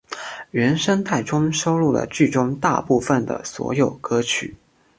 原声带中收录了剧中大部份的所有歌曲。